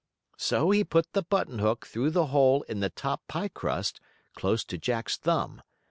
"] So he put the button hook through the hole in the top pie crust, close to Jack's thumb.